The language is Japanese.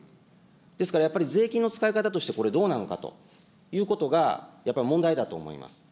ですからやっぱり、税金の使い方として、これ、どうなのかということがやっぱり問題だと思います。